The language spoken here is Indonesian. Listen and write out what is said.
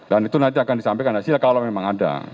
dan itu nanti akan disampaikan di sini kalau memang ada